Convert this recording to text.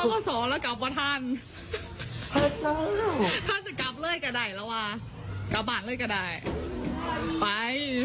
เห็นไหมครูมาบอกพี